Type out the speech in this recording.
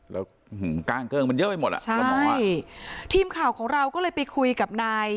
แล้วหืมก้างเกลืองมันเยอะไปหมดอ่ะใช่ทีมข่าวของเราก็เลยไปคุยกับนาย